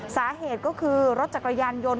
สาเหตุก็คือรถจักรยานยนต์